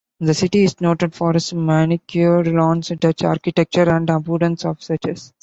The city is noted for its manicured lawns, Dutch architecture, and abundance of churches.